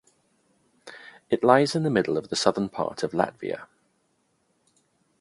It lies in the middle of the southern part of Latvia.